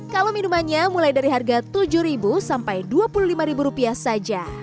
kalau minumannya mulai dari harga rp tujuh sampai rp dua puluh lima rupiah saja